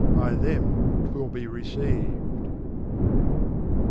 By them 'twill be received.